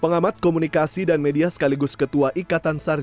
pengamat komunikasi dan media sekaligus ketua ikatan sarja